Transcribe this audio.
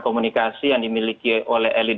komunikasi yang dimiliki oleh elit